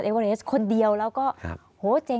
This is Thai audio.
สวัสดีครับทุกคน